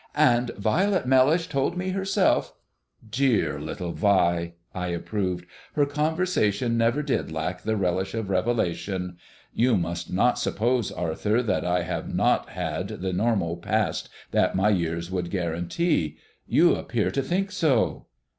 "And Violet Mellish told me herself " "Dear little Vi," I approved. "Her conversation never did lack the relish of revelation. You must not suppose, Arthur, that I have not had the normal past that my years would guarantee. You appear to think so."